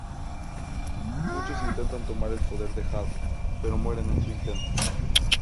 Muchos intentan tomar el poder de Jado, pero mueren en su intento.